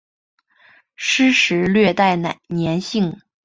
湿时略带黏性。